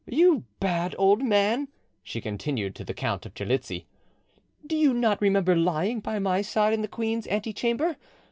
You, bad old man," she continued to the Count of Terlizzi, "do you not remember lying by my side in the queen's ante chamber?